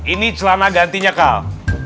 ini celana gantinya kal